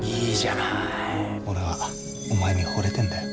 俺はお前にほれてんだよ。